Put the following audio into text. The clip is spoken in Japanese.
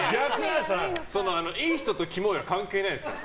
いい人とキモいは関係ないから。